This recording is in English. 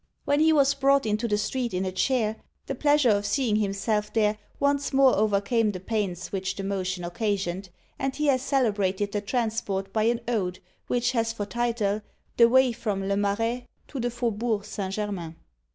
When he was brought into the street in a chair, the pleasure of seeing himself there once more overcame the pains which the motion occasioned, and he has celebrated the transport by an ode, which has for title, "The Way from le Marais to the Fauxbourg Saint Germain."